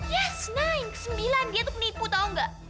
yes nine ke sembilan dia tuh penipu tau nggak